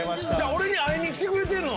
俺に会いに来てくれてんの？